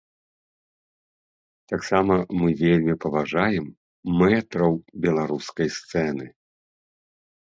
Таксама мы вельмі паважаем мэтраў беларускай сцэны.